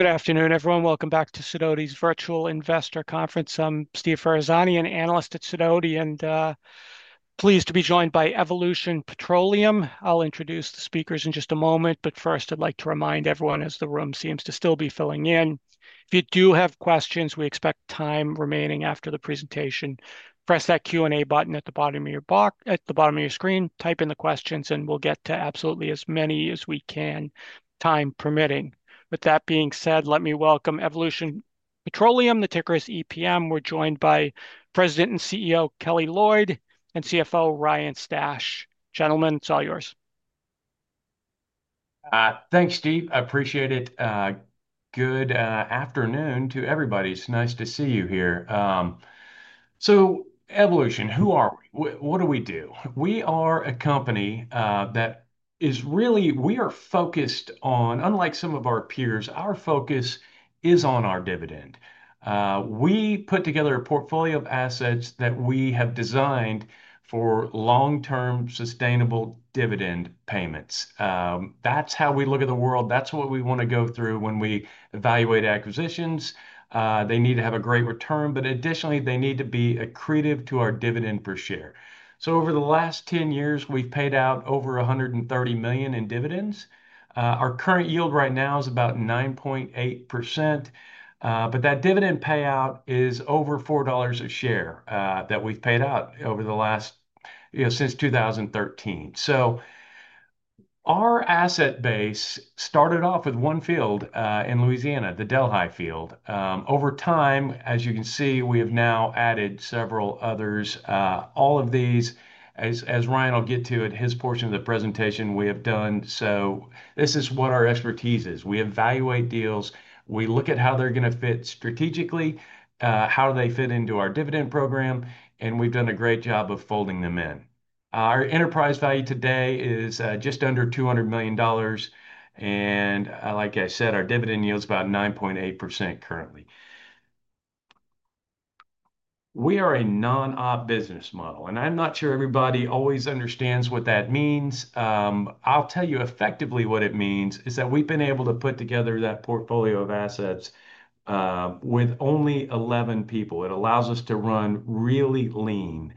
Good afternoon, everyone. Welcome back to Sidoti's Virtual Investor Conference. I'm Steve Ferazani, an analyst at Sidoti, and pleased to be joined by Evolution Petroleum. I'll introduce the speakers in just a moment, but first, I'd like to remind everyone, as the room seems to still be filling in, if you do have questions, we expect time remaining after the presentation. Press that Q&A button at the bottom of your screen, type in the questions, and we'll get to absolutely as many as we can, time permitting. With that being said, let me welcome Evolution Petroleum, the ticker is EPM. We're joined by President and CEO Kelly Loyd and CFO Ryan Stash. Gentlemen, it's all yours. Thanks, Steve. I appreciate it. Good afternoon to everybody. It's nice to see you here. So, Evolution, who are we? What do we do? We are a company that is really, we are focused on, unlike some of our peers, our focus is on our dividend. We put together a portfolio of assets that we have designed for long-term sustainable dividend payments. That's how we look at the world. That's what we want to go through when we evaluate acquisitions. They need to have a great return, but additionally, they need to be accretive to our dividend per share. Over the last 10 years, we've paid out over $130 million in dividends. Our current yield right now is about 9.8%, but that dividend payout is over $4 a share that we've paid out over the last, you know, since 2013. Our asset base started off with one field in Louisiana, the Delhi Field. Over time, as you can see, we have now added several others. All of these, as Ryan will get to in his portion of the presentation, we have done. This is what our expertise is. We evaluate deals, we look at how they're going to fit strategically, how do they fit into our dividend program, and we've done a great job of folding them in. Our enterprise value today is just under $200 million, and like I said, our dividend yield is about 9.8% currently. We are a non-op business model, and I'm not sure everybody always understands what that means. I'll tell you effectively what it means is that we've been able to put together that portfolio of assets with only 11 people. It allows us to run really lean.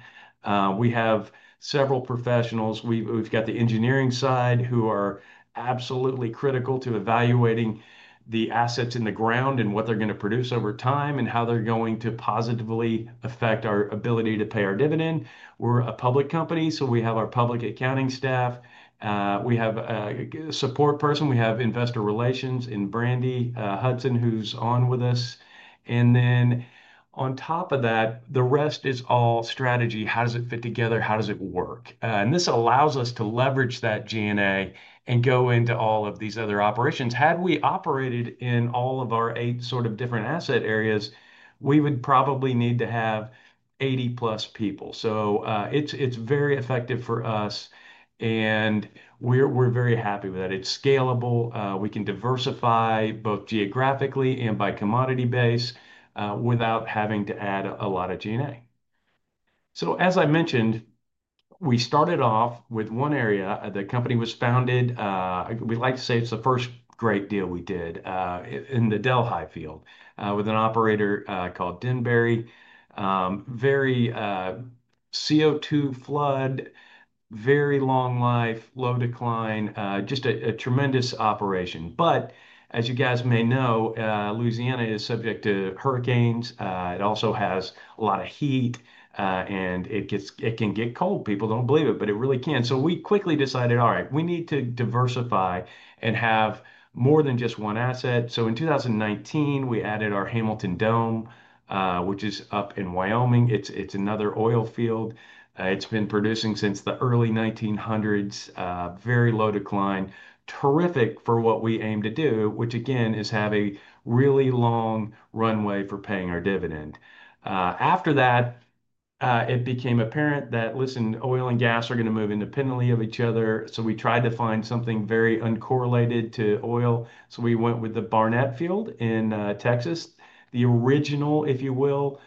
We have several professionals. We've got the engineering side who are absolutely critical to evaluating the assets in the ground and what they're going to produce over time and how they're going to positively affect our ability to pay our dividend. We're a public company, so we have our public accounting staff. We have a support person. We have investor relations in Brandi Hudson, who's on with us. On top of that, the rest is all strategy. How does it fit together? How does it work? This allows us to leverage that DNA and go into all of these other operations. Had we operated in all of our eight sort of different asset areas, we would probably need to have 80 plus people. It's very effective for us, and we're very happy with that. It's scalable. We can diversify both geographically and by commodity base without having to add a lot of DNA. As I mentioned, we started off with one area. The company was founded. We'd like to say it's the first great deal we did in the Delhi Field with an operator called Denbury. Very CO2 flood, very long life, low decline, just a tremendous operation. As you guys may know, Louisiana is subject to hurricanes. It also has a lot of heat, and it can get cold. People don't believe it, but it really can. We quickly decided, all right, we need to diversify and have more than just one asset. In 2019, we added our Hamilton Dome, which is up in Wyoming. It's another oil field. It's been producing since the early 1900s, very low decline, terrific for what we aim to do, which again is have a really long runway for paying our dividend. After that, it became apparent that oil and gas are going to move independently of each other. We tried to find something very uncorrelated to oil. We went with the Barnett Shale in Texas, the original, if you will,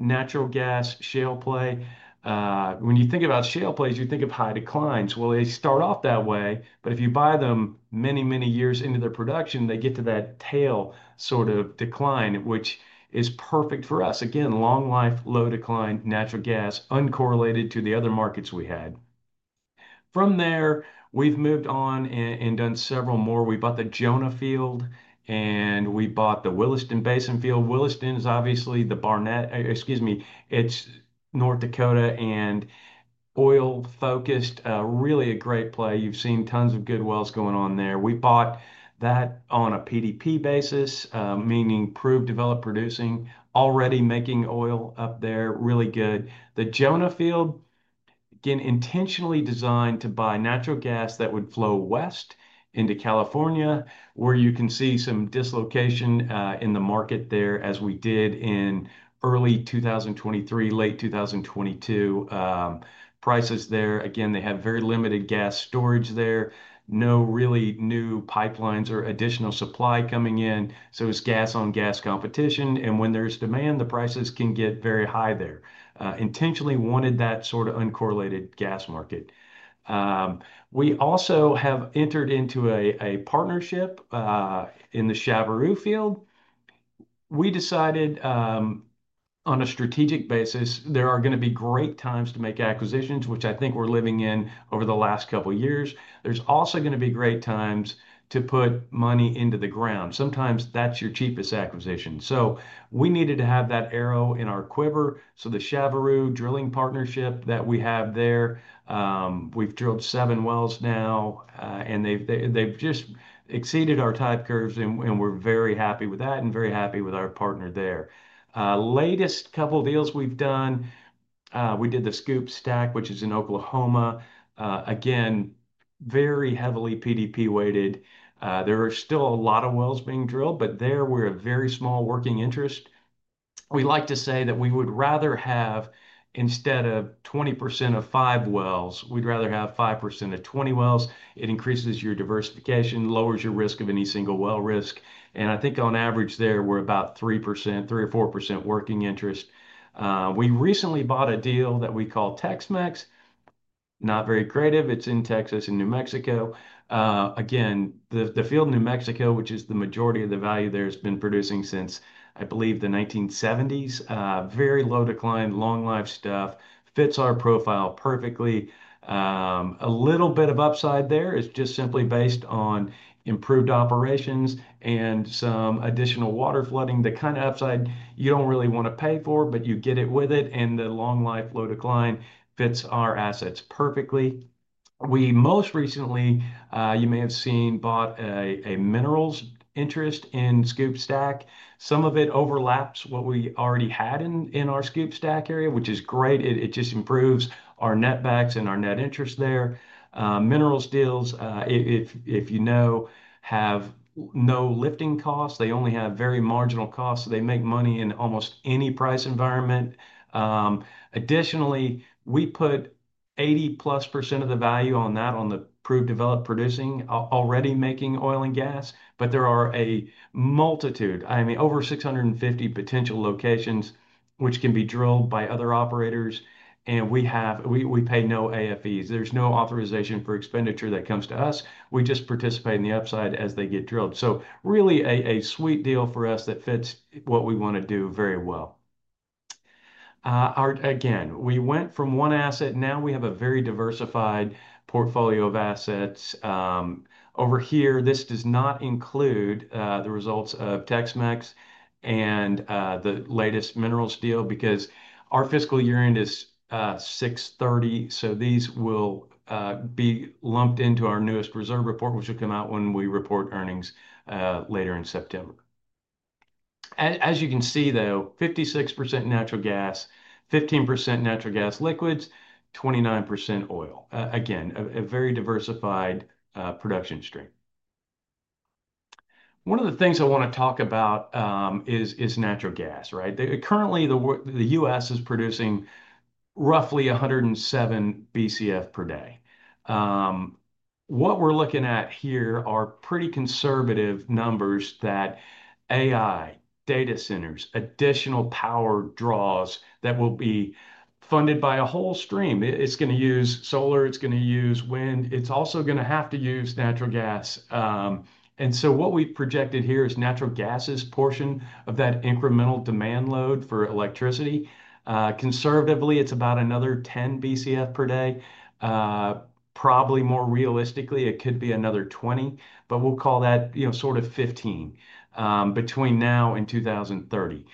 natural gas shale play. When you think about shale plays, you think of high declines. They start off that way, but if you buy them many, many years into their production, they get to that tail sort of decline, which is perfect for us. Again, long life, low decline, natural gas, uncorrelated to the other markets we had. From there, we've moved on and done several more. We bought the Jonah Field, and we bought the Williston Basin Field. Williston is obviously North Dakota and oil focused, really a great play. You've seen tons of good wells going on there. We bought that on a PDP basis, meaning proved developed producing, already making oil up there, really good. The Jonah Field, again, intentionally designed to buy natural gas that would flow west into California, where you can see some dislocation in the market there, as we did in early 2023, late 2022. Prices there, again, they have very limited gas storage there, no really new pipelines or additional supply coming in. It's gas on gas competition, and when there's demand, the prices can get very high there. Intentionally wanted that sort of uncorrelated gas market. We also have entered into a partnership in the Chaveroo Field. We decided on a strategic basis, there are going to be great times to make acquisitions, which I think we're living in over the last couple of years. There's also going to be great times to put money into the ground. Sometimes that's your cheapest acquisition. We needed to have that arrow in our quiver. The Chaveroo drilling partnership that we have there, we've drilled seven wells now, and they've just exceeded our type curves, and we're very happy with that and very happy with our partner there. Latest couple of deals we've done, we did the Scoop Stack, which is in Oklahoma. Again, very heavily PDP weighted. There are still a lot of wells being drilled, but there we're a very small working interest. We like to say that we would rather have, instead of 20% of five wells, we'd rather have 5% of 20 wells. It increases your diversification, lowers your risk of any single well risk. I think on average there we're about 3%, 3 or 4% working interest. We recently bought a deal that we call TexMex. Not very creative. It's in Texas and New Mexico. Again, the field in New Mexico, which is the majority of the value there, has been producing since, I believe, the 1970s. Very low decline, long life stuff, fits our profile perfectly. A little bit of upside there is just simply based on improved operations and some additional water flooding, the kind of upside you don't really want to pay for, but you get it with it. The long life, low decline fits our assets perfectly. We most recently, you may have seen, bought a minerals interest in Scoop Stack. Some of it overlaps what we already had in our Scoop Stack area, which is great. It just improves our net backs and our net interest there. Minerals deals, if you know, have no lifting costs. They only have very marginal costs. They make money in almost any price environment. Additionally, we put 80+% of the value on that, on the proved developed producing, already making oil and gas, but there are a multitude, I mean, over 650 potential locations, which can be drilled by other operators. We pay no AFEs. There's no authorization for expenditure that comes to us. We just participate in the upside as they get drilled. Really a sweet deal for us that fits what we want to do very well. We went from one asset. Now we have a very diversified portfolio of assets. Over here, this does not include the results of TexMex and the latest minerals deal because our fiscal year end is 6/30. These will be lumped into our newest reserve report, which will come out when we report earnings later in September. As you can see, though, 56% natural gas, 15% natural gas liquids, 29% oil. Again, a very diversified production stream. One of the things I want to talk about is natural gas. Currently, the U.S. is producing roughly 107 Bcf per day. What we're looking at here are pretty conservative numbers that AI, data centers, additional power draws that will be funded by a whole stream. It's going to use solar. It's going to use wind. It's also going to have to use natural gas. What we've projected here is natural gas's portion of that incremental demand load for electricity. Conservatively, it's about another 10 Bcf per day. Probably more realistically, it could be another 20, but we'll call that sort of 15 between now and 2030.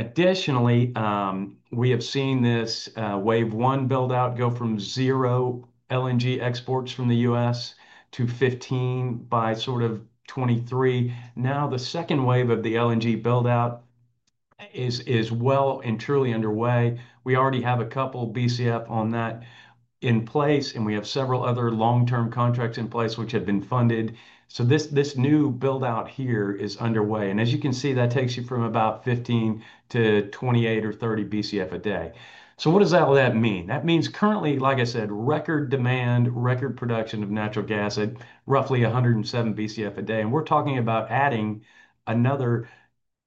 Additionally, we have seen this wave one buildout go from zero LNG exports from the U.S. to 15 by sort of 2023. Now, the second wave of the LNG buildout is well and truly underway. We already have a couple Bcf on that in place, and we have several other long-term contracts in place which have been funded. This new buildout here is underway. As you can see, that takes you from about 15-28 or 30 Bcf a day. What does that mean? That means currently, like I said, record demand, record production of natural gas at roughly 107 Bcf a day. We're talking about adding another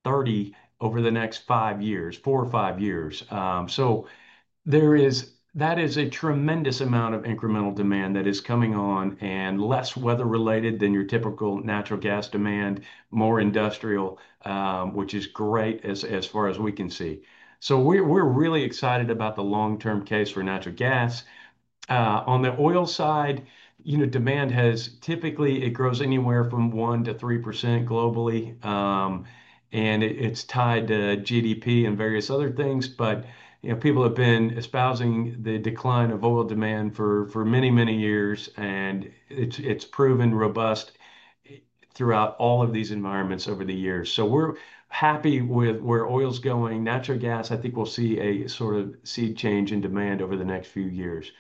30 over the next five years, four or five years. That is a tremendous amount of incremental demand that is coming on and less weather-related than your typical natural gas demand, more industrial, which is great as far as we can see. We're really excited about the long-term case for natural gas. On the oil side, you know, demand has typically, it grows anywhere from 1%-3% globally. It's tied to GDP and various other things. People have been espousing the decline of oil demand for many, many years, and it's proven robust throughout all of these environments over the years. We're happy with where oil's going. Natural gas, I think we'll see a sort of sea change in demand over the next few years.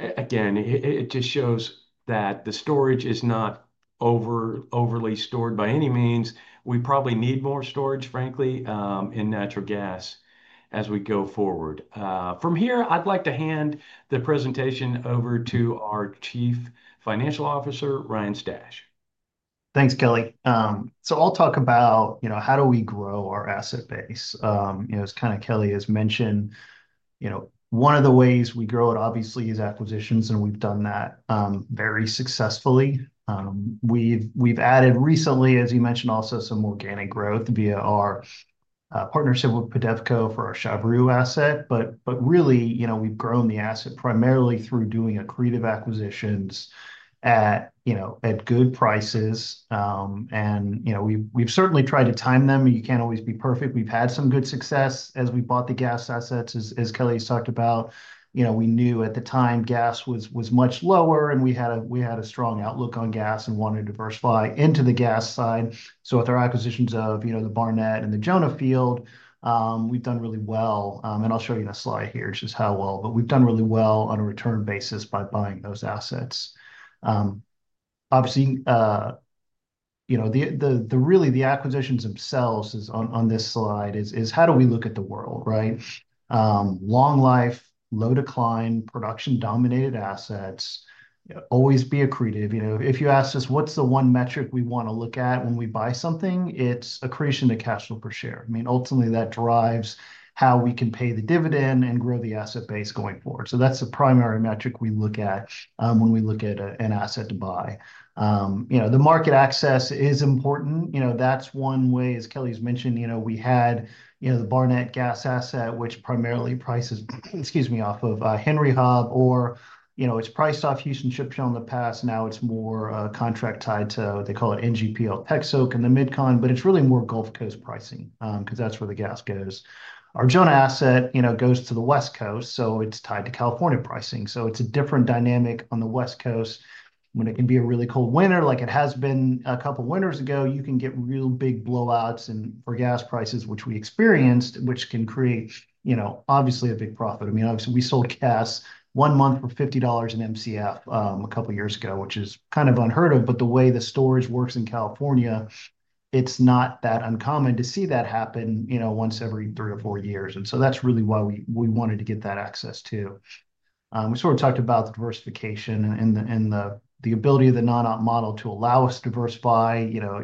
Again, it just shows that the storage is not overly stored by any means. We probably need more storage, frankly, in natural gas as we go forward. From here, I'd like to hand the presentation over to our Chief Financial Officer, Ryan Stash. Thanks, Kelly. I'll talk about how do we grow our asset base. As Kelly has mentioned, one of the ways we grow it, obviously, is acquisitions, and we've done that very successfully. We've added recently, as you mentioned, also some organic growth via our partnership with Pedevco for our Chaveroo asset. Really, we've grown the asset primarily through doing accretive acquisitions at good prices. We've certainly tried to time them, and you can't always be perfect. We've had some good success as we bought the gas assets, as Kelly's talked about. We knew at the time gas was much lower, and we had a strong outlook on gas and wanted to diversify into the gas side. With our acquisitions of the Barnett and the Jonah Field, we've done really well. I'll show you a slide here just how well, but we've done really well on a return basis by buying those assets. The acquisitions themselves on this slide is how do we look at the world, right? Long life, low decline, production-dominated assets, always be accretive. If you ask us what's the one metric we want to look at when we buy something, it's accretion to cash flow per share. Ultimately, that drives how we can pay the dividend and grow the asset base going forward. That's the primary metric we look at when we look at an asset to buy. The market access is important. That's one way, as Kelly's mentioned, we had the Barnett gas asset, which primarily prices, excuse me, off of Henry Hub, or it's priced off Houston Ship Channel in the past. Now it's more contract tied to what they call NGPL, PEXOK in the Mid-Con. It's really more Gulf Coast pricing because that's where the gas goes. Our Jonah asset goes to the West Coast, so it's tied to California pricing. It's a different dynamic on the West Coast when it can be a really cold winter, like it has been a couple of winters ago. You can get real big blowouts for gas prices, which we experienced, which can create a big profit. We sold gas one month for $50 an MCF a couple of years ago, which is kind of unheard of. The way the storage works in California, it's not that uncommon to see that happen once every three or four years. That's really why we wanted to get that access too. We sort of talked about the diversification and the ability of the non-op model to allow us to diversify. You know,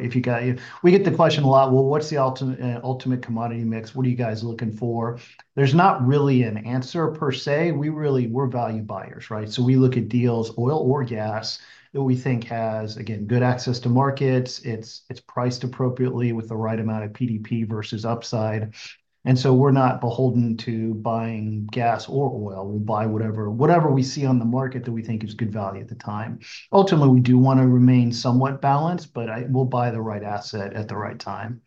we get the question a lot, what's the ultimate commodity mix? What are you guys looking for? There's not really an answer per se. We really, we're value buyers, right? We look at deals, oil or gas, that we think has, again, good access to markets. It's priced appropriately with the right amount of PDP versus upside. We're not beholden to buying gas or oil. We'll buy whatever we see on the market that we think is good value at the time. Ultimately, we do want to remain somewhat balanced, but we'll buy the right asset at the right time.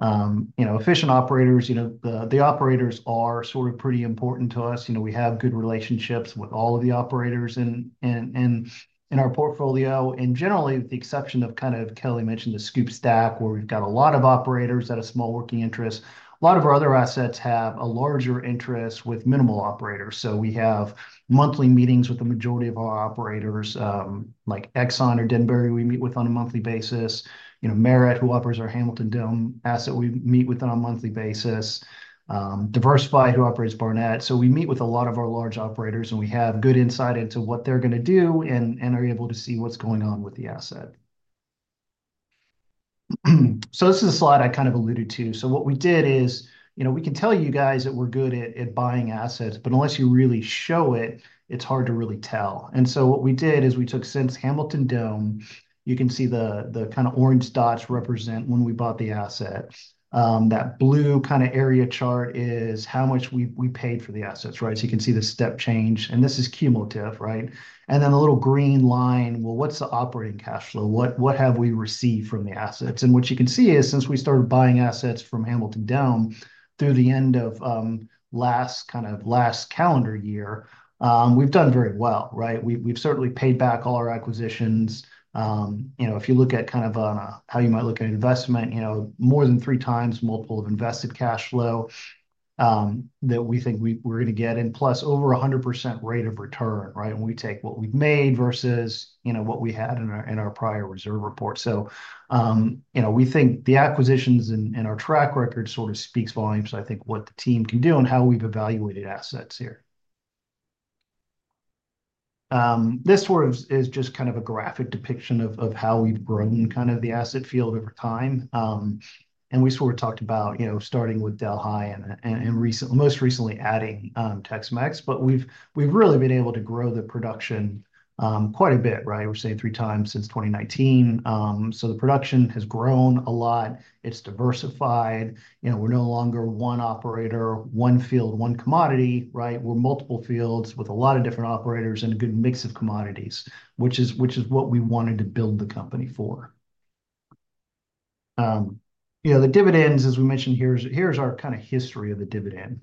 Efficient operators, the operators are pretty important to us. We have good relationships with all of the operators in our portfolio. Generally, with the exception of, kind of like Kelly mentioned, the Scoop Stack, where we've got a lot of operators that have small working interests, a lot of our other assets have a larger interest with minimal operators. We have monthly meetings with the majority of our operators, like Exxon or Denbury, we meet with on a monthly basis. Merit, who operates our Hamilton Dome asset, we meet with on a monthly basis. Diversified, who operates Barnett. We meet with a lot of our large operators, and we have good insight into what they're going to do and are able to see what's going on with the asset. This is a slide I kind of alluded to. What we did is, we can tell you guys that we're good at buying assets, but unless you really show it, it's hard to really tell. What we did is we took, since Hamilton Dome, you can see the kind of orange dots represent when we bought the asset. That blue area chart is how much we paid for the assets, right? You can see the step change, and this is cumulative, right? The little green line, what's the operating cash flow? What have we received from the assets? What you can see is, since we started buying assets from Hamilton Dome through the end of last calendar year, we've done very well. We've certainly paid back all our acquisitions. If you look at how you might look at an investment, more than three times the multiple of invested cash flow that we think we're going to get, and plus over a 100% rate of return, right? When we take what we've made versus what we had in our prior reserve report, we think the acquisitions and our track record sort of speak volumes, I think, about what the team can do and how we've evaluated assets here. This is just kind of a graphic depiction of how we've grown the asset field over time. We talked about starting with Delhi and, most recently, adding TexMex, but we've really been able to grow the production quite a bit, right? We're saying three times since 2019. The production has grown a lot. It's diversified. We're no longer one operator, one field, one commodity, right? We're multiple fields with a lot of different operators and a good mix of commodities, which is what we wanted to build the company for. The dividends, as we mentioned here, here's our kind of history of the dividend.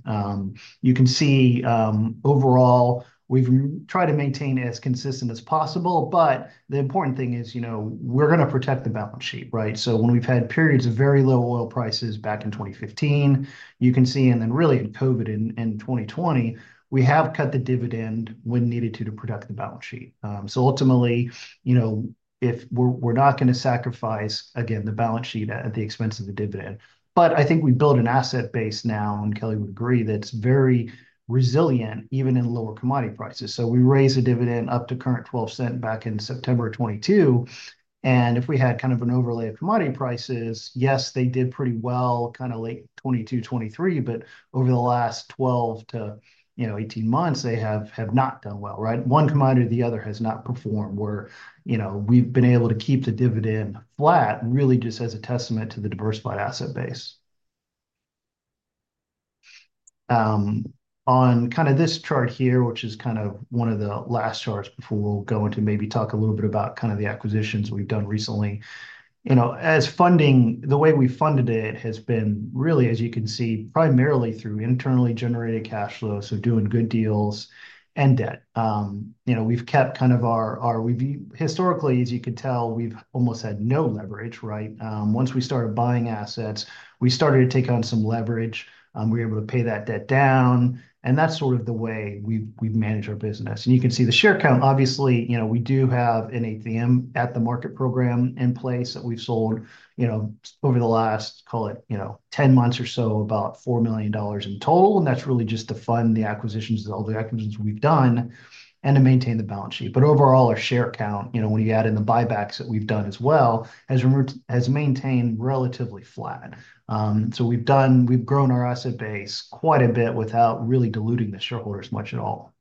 You can see overall, we've tried to maintain it as consistent as possible, but the important thing is we're going to protect the balance sheet, right? When we've had periods of very low oil prices back in 2015, you can see, and then really in COVID in 2020, we have cut the dividend when needed to protect the balance sheet. Ultimately, we're not going to sacrifice, again, the balance sheet at the expense of the dividend. I think we build an asset base now, and Kelly would agree, that's very resilient, even in lower commodity prices. We raised the dividend up to current $0.12 back in September of 2022. If we had kind of an overlay of commodity prices, yes, they did pretty well kind of late 2022, 2023, but over the last 12-18 months, they have not done well, right? One commodity or the other has not performed, where we've been able to keep the dividend flat, really just as a testament to the diversified asset base. On this chart here, which is one of the last charts before we'll go into maybe talk a little bit about the acquisitions we've done recently, as funding, the way we funded it has been really, as you can see, primarily through internally generated cash flow. Doing good deals and debt. We've kept kind of our, historically, as you could tell, we've almost had no leverage, right? Once we started buying assets, we started to take on some leverage. We were able to pay that debt down. That's the way we've managed our business. You can see the share count. Obviously, we do have an ATM equity program in place that we've sold over the last, call it, 10 months or so, about $4 million in total. That's really just to fund the acquisitions, all the acquisitions we've done, and to maintain the balance sheet. Overall, our share count, when you add in the buybacks that we've done as well, has maintained relatively flat. We've grown our asset base quite a bit without really diluting the shareholders much at all.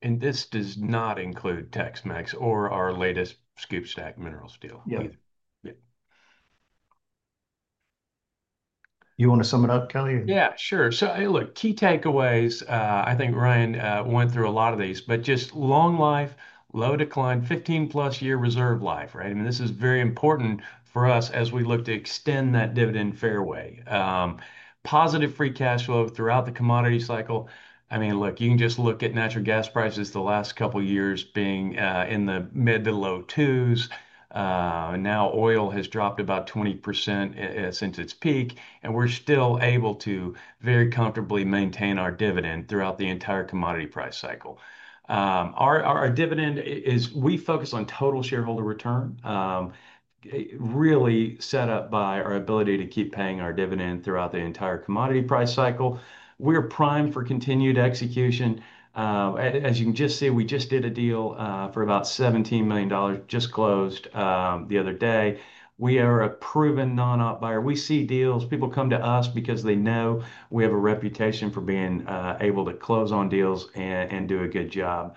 This does not include TexMex or our latest Scoop Stack minerals deal. Yeah. You want to sum it up, Kelly? Yeah, sure. Key takeaways, I think Ryan went through a lot of these, but just long life, low decline, 15+ year reserve life, right? This is very important for us as we look to extend that dividend fairway. Positive free cash flow throughout the commodity cycle. You can just look at natural gas prices the last couple of years being in the mid to low $2.00s. Now oil has dropped about 20% since its peak, and we're still able to very comfortably maintain our dividend throughout the entire commodity price cycle. Our dividend is, we focus on total shareholder return, really set up by our ability to keep paying our dividend throughout the entire commodity price cycle. We're primed for continued execution. As you can see, we just did a deal for about $17 million, just closed the other day. We are a proven non-op buyer. We see deals, people come to us because they know we have a reputation for being able to close on deals and do a good job.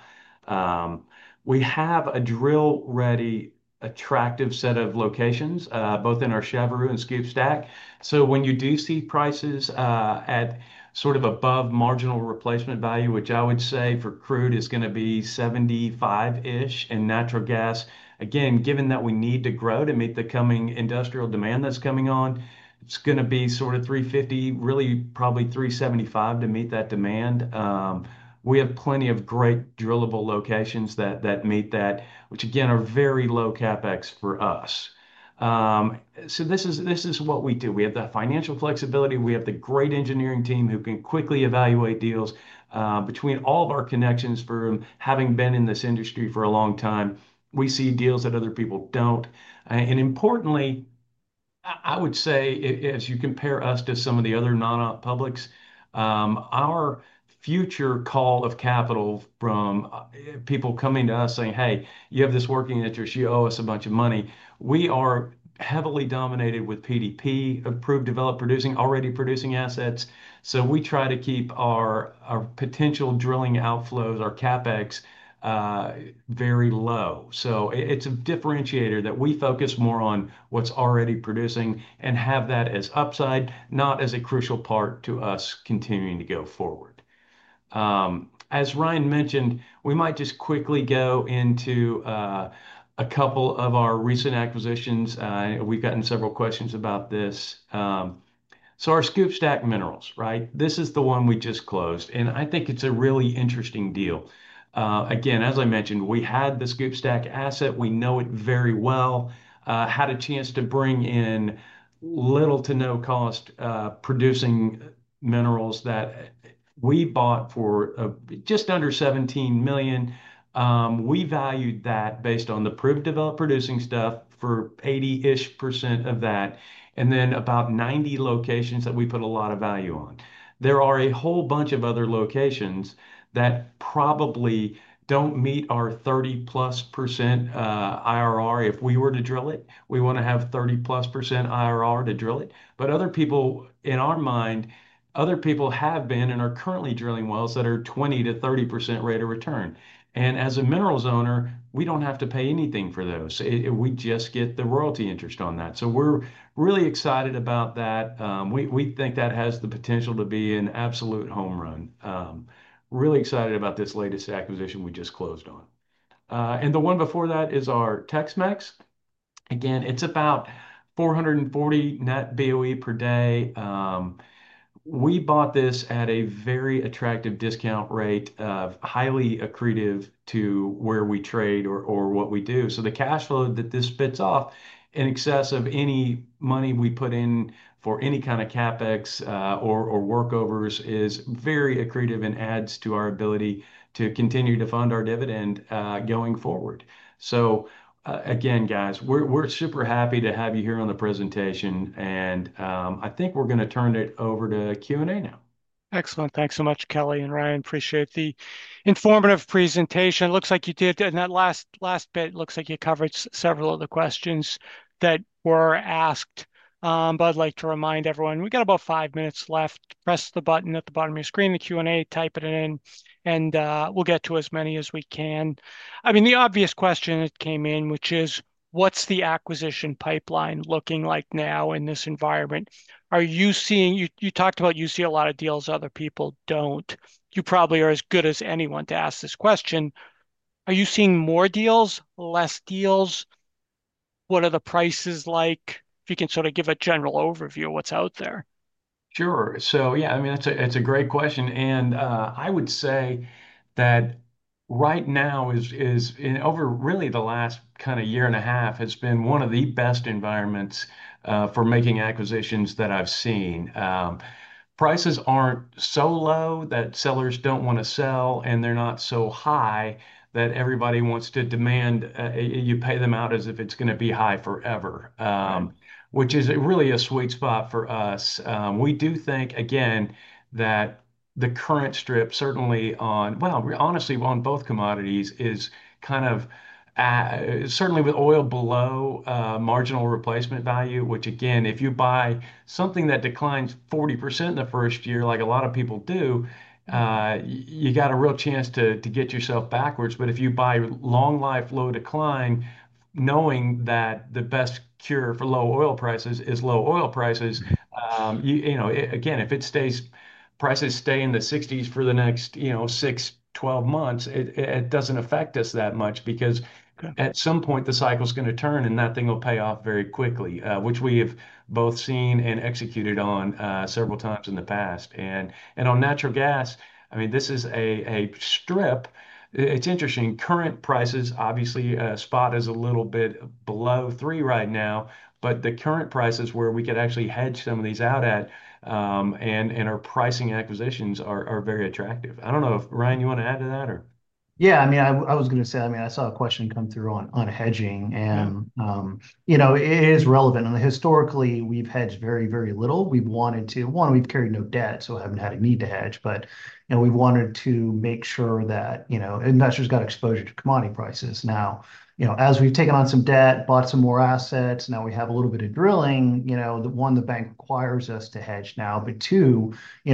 We have a drill-ready, attractive set of locations, both in our Chaveroo and Scoop Stack. When you do see prices at sort of above marginal replacement value, which I would say for crude is going to be $75-ish, and natural gas, again, given that we need to grow to meet the coming industrial demand that's coming on, it's going to be sort of $3.50, really probably $3.75 to meet that demand. We have plenty of great drillable locations that meet that, which again are very low CapEx for us. This is what we do. We have that financial flexibility. We have the great engineering team who can quickly evaluate deals. Between all of our connections for having been in this industry for a long time, we see deals that other people don't. Importantly, I would say, as you compare us to some of the other non-op publics, our future call of capital from people coming to us saying, "Hey, you have this working interest, you owe us a bunch of money." We are heavily dominated with PDP, proved developed producing, already producing assets. We try to keep our potential drilling outflows, our CapEx, very low. It's a differentiator that we focus more on what's already producing and have that as upside, not as a crucial part to us continuing to go forward. As Ryan mentioned, we might just quickly go into a couple of our recent acquisitions. We've gotten several questions about this. Our Scoop Stack minerals, right? This is the one we just closed. I think it's a really interesting deal. Again, as I mentioned, we had the Scoop Stack asset. We know it very well. Had a chance to bring in little to no cost producing minerals that we bought for just under $17 million. We valued that based on the proved developed producing stuff for 80-ish% of that. Then about 90 locations that we put a lot of value on. There are a whole bunch of other locations that probably don't meet our 30%+ IRR if we were to drill it. We want to have 30%+ IRR to drill it. Other people, in our mind, other people have been and are currently drilling wells that are 20%-30% rate of return. As a minerals owner, we don't have to pay anything for those. We just get the royalty interest on that. We're really excited about that. We think that has the potential to be an absolute home run. Really excited about this latest acquisition we just closed on. The one before that is our TexMex. Again, it's about 440 net BOE per day. We bought this at a very attractive discount rate, highly accretive to where we trade or what we do. The cash flow that this spits off, in excess of any money we put in for any kind of CapEx or workovers, is very accretive and adds to our ability to continue to fund our dividend going forward. Again, guys, we're super happy to have you here on the presentation. I think we're going to turn it over to Q&A now. Excellent. Thanks so much, Kelly and Ryan. Appreciate the informative presentation. It looks like you did, and that last bit looks like you covered several of the questions that were asked. I'd like to remind everyone, we've got about five minutes left. Press the button at the bottom of your screen, the Q&A, type it in, and we'll get to as many as we can. The obvious question that came in, which is, what's the acquisition pipeline looking like now in this environment? Are you seeing, you talked about you see a lot of deals other people don't. You probably are as good as anyone to ask this question. Are you seeing more deals, less deals? What are the prices like? If you can sort of give a general overview of what's out there. Sure. It's a great question. I would say that right now, over really the last year and a half, has been one of the best environments for making acquisitions that I've seen. Prices aren't so low that sellers don't want to sell, and they're not so high that everybody wants to demand you pay them out as if it's going to be high forever, which is really a sweet spot for us. We do think, again, that the current strip certainly on, honestly, on both commodities is kind of certainly with oil below marginal replacement value, which again, if you buy something that declines 40% in the first year, like a lot of people do, you got a real chance to get yourself backwards. If you buy long life, low decline, knowing that the best cure for low oil prices is low oil prices. If it stays, prices stay in the $60s for the next six, 12 months, it doesn't affect us that much because at some point the cycle's going to turn and that thing will pay off very quickly, which we have both seen and executed on several times in the past. On natural gas, this is a strip. It's interesting. Current prices, obviously, spot is a little bit below $3 right now, but the current prices where we could actually hedge some of these out at and our pricing acquisitions are very attractive. I don't know if Ryan, you want to add to that or? Yeah, I mean, I was going to say, I saw a question come through on hedging and, you know, it is relevant. Historically, we've hedged very, very little. We've wanted to, one, we've carried no debt, so I haven't had a need to hedge, but we've wanted to make sure that investors got exposure to commodity prices. Now, as we've taken on some debt, bought some more assets, now we have a little bit of drilling, the bank requires us to hedge now, but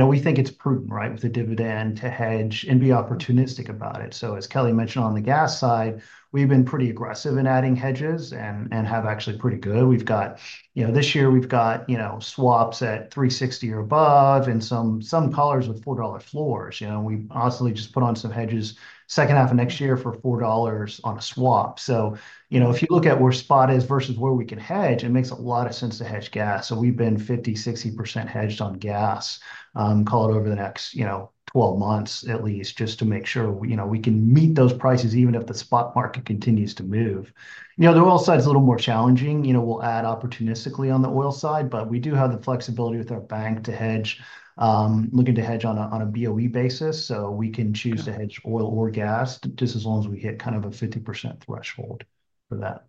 we think it's prudent, right, with the dividend to hedge and be opportunistic about it. As Kelly mentioned on the gas side, we've been pretty aggressive in adding hedges and have actually pretty good. We've got, this year we've got swaps at $3.60 or above and some collars with $4 floors. We honestly just put on some hedges second half of next year for $4 on a swap. If you look at where spot is versus where we can hedge, it makes a lot of sense to hedge gas. We've been 50-60% hedged on gas, call it over the next 12 months at least, just to make sure we can meet those prices even if the spot market continues to move. The oil side's a little more challenging. We'll add opportunistically on the oil side, but we do have the flexibility with our bank to hedge, looking to hedge on a BOE basis. We can choose to hedge oil or gas just as long as we hit kind of a 50% threshold for that.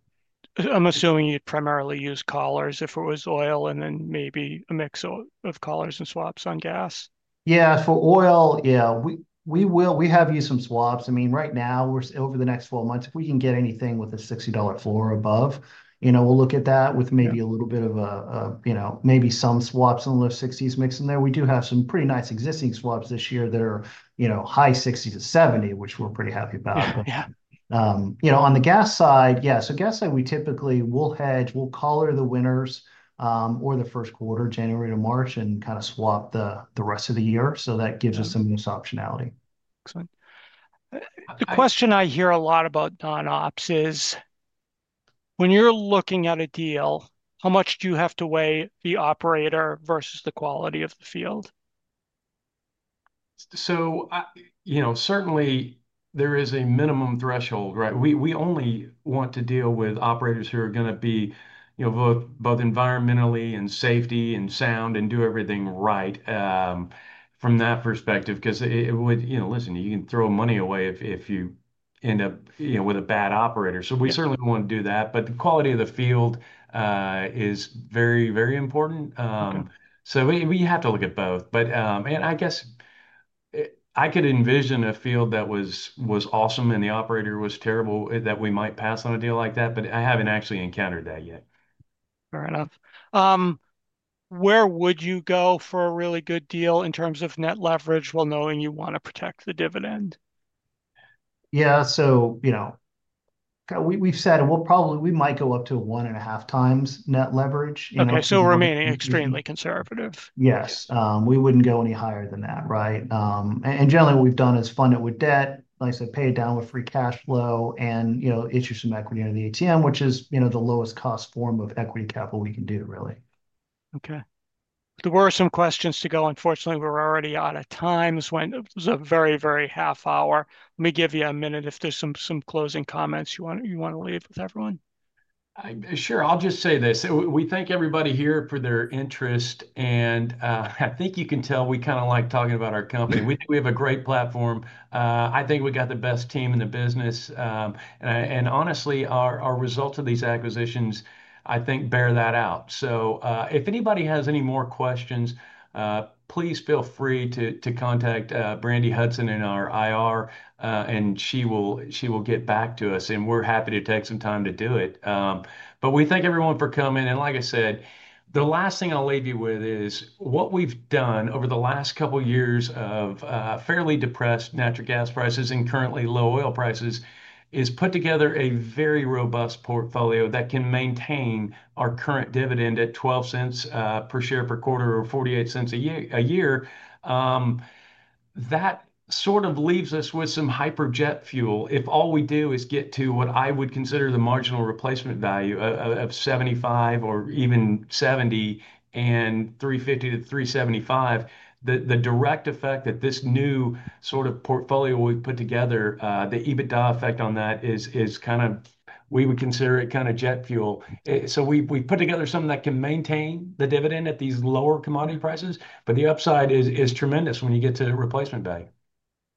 I'm assuming you primarily use collars if it was oil, and then maybe a mix of collars and swaps on gas. Yeah, for oil, we have used some swaps. Right now, over the next 12 months, if we can get anything with a $60 floor or above, we'll look at that with maybe a little bit of a, maybe some swaps in the low 60s mix in there. We do have some pretty nice existing swaps this year that are high 60-70, which we're pretty happy about. On the gas side, gas side, we typically will hedge, we'll collar the winters or the first quarter, January to March, and kind of swap the rest of the year. That gives us some of this optionality. Excellent. The question I hear a lot about non-ops is, when you're looking at a deal, how much do you have to weigh the operator versus the quality of the field? Certainly, there is a minimum threshold, right? We only want to deal with operators who are going to be both environmentally and safety and sound and do everything right from that perspective, because you can throw money away if you end up with a bad operator. We certainly don't want to do that, but the quality of the field is very, very important. We have to look at both. I guess I could envision a field that was awesome and the operator was terrible that we might pass on a deal like that, but I haven't actually encountered that yet. Fair enough. Where would you go for a really good deal in terms of net leverage while knowing you want to protect the dividend? Yeah, we've said we might go up to 1.5 times net leverage. Okay, remain extremely conservative. Yes, we wouldn't go any higher than that, right? Generally, what we've done is fund it with debt, like I said, pay it down with free cash flow, and issue some equity under the ATM, which is the lowest cost form of equity capital we can do, really. Okay. There were some questions to go. Unfortunately, we're already out of time. This went very, very fast for a half hour. Let me give you a minute if there's some closing comments you want to leave with everyone. Sure, I'll just say this. We thank everybody here for their interest, and I think you can tell we kind of like talking about our company. We have a great platform. I think we got the best team in the business. Honestly, our results of these acquisitions, I think, bear that out. If anybody has any more questions, please feel free to contact Brandi Hudson in our IR, and she will get back to us, and we're happy to take some time to do it. We thank everyone for coming. Like I said, the last thing I'll leave you with is what we've done over the last couple of years of fairly depressed natural gas prices and currently low oil prices is put together a very robust portfolio that can maintain our current dividend at $0.12 per share per quarter or $0.48 a year. That sort of leaves us with some hyper jet fuel. If all we do is get to what I would consider the marginal replacement value of $75 or even $70 and $3.50- $3.75, the direct effect that this new sort of portfolio we've put together, the EBITDA effect on that is kind of, we would consider it kind of jet fuel. We put together something that can maintain the dividend at these lower commodity prices, but the upside is tremendous when you get to replacement value.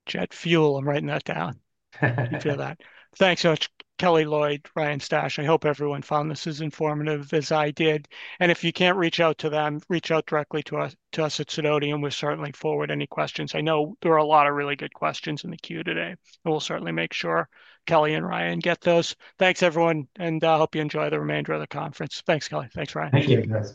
Jet fuel, I'm writing that down. I feel that. Thanks so much, Kelly Loyd, Ryan Stash. I hope everyone found this as informative as I did. If you can't reach out to them, reach out directly to us at Sidoti. We'll certainly forward any questions. I know there are a lot of really good questions in the queue today. We'll certainly make sure Kelly and Ryan get those. Thanks, everyone, and I hope you enjoy the remainder of the conference. Thanks, Kelly. Thanks, Ryan. Thank you, everyone.